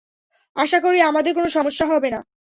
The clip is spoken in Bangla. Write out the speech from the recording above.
আশা করি আমাদের কোন সমস্যা হবেনা।